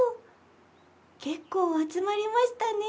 結構集まりましたね。